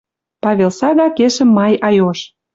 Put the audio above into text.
Павел сага кешӹм Май айош.